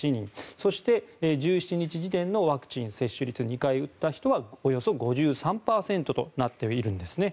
そして、１７日時点のワクチン接種率２回打った人はおよそ５３％となっているんですね。